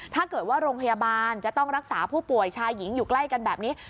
ถ้าเกิดว่าโรงพยาบาลจะต้องรักษาผู้ป่วยชายหญิงอยู่ใกล้กันแบบนี้